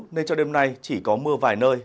nên cho đêm nay chỉ có mưa vài nơi